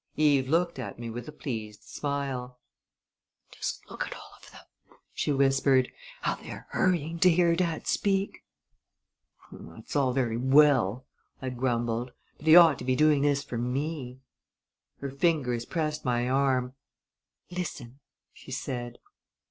Eve looked at me with a pleased smile. "Just look at all of them," she whispered, "how they are hurrying to hear dad speak!" "That's all very well," I grumbled; "but he ought to be doing this for me." Her fingers pressed my arm. "Listen!" she said. Mr.